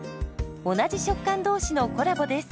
同じ食感同士のコラボです。